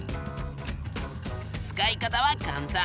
使い方は簡単。